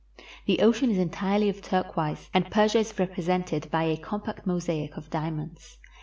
The ocean is entirely of turquoise, and Persia is represented by a compact mosaic of diamonds.